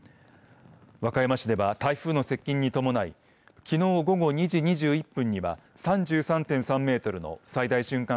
和歌山市では台風の接近に伴いきのう午後２時２１分には３３．３メートルの最大瞬間